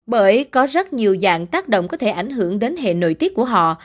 bởi có rất nhiều dạng tác động có thể ảnh hưởng đến hệ nội tiết của họ